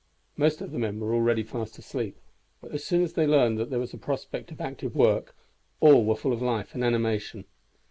Most of the men were already fast asleep, but as soon as they learned that there was a prospect of active work all were full of life and animation.